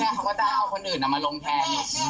ถ้าเขาสู้ไม่ได้ก็จะเอาคนอื่นมาลงแทน